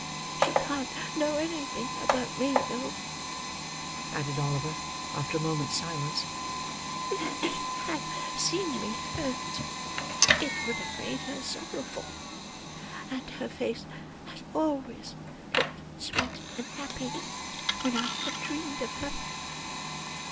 She can't know anything about me though," added Oliver after a moment's silence. "If she had seen me hurt, it would have made her sorrowful; and her face has always looked sweet and happy, when I have dreamed of her."